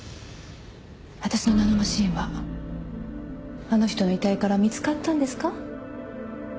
私のナノマシンはあの人の遺体から見つかったんですか？